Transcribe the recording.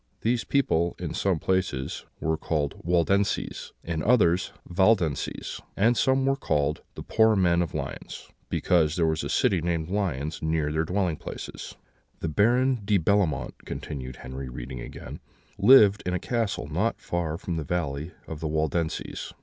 These people, in some places, were called Waldenses; in others, Valdenses; and some were called The poor Men of Lyons, because there was a city called Lyons near their dwelling places." "The Baron de Bellemont," continued Henry, reading again, "lived in a castle not far from the valley of the Waldenses.